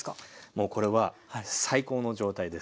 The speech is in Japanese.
もうこれは最高の状態です。